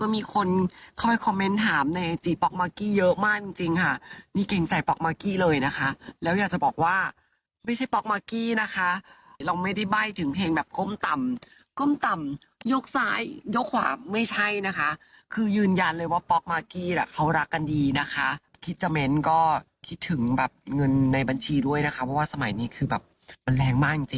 มึงชีด้วยนะครับว่าสมัยนี้คือแบบมันแรงมากจริง